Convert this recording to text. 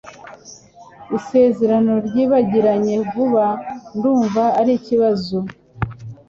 Isezerano ryibagiranye vuba ndumva arikibazo